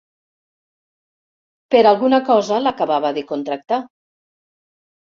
Per alguna cosa l'acabava de contractar.